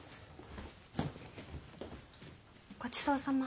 ごちそうさま。